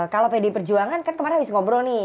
kalau pdi perjuangan kan kemarin habis ngobrol nih